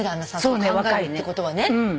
考えるってことはね。